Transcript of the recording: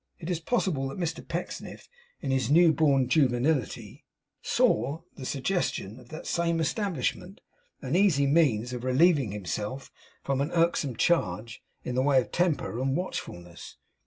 It is possible that Mr Pecksniff, in his new born juvenility, saw, in the suggestion of that same establishment, an easy means of relieving himself from an irksome charge in the way of temper and watchfulness.